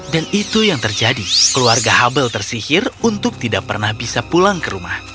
dan itu yang terjadi keluarga hubble tersihir untuk tidak pernah bisa pulang ke rumah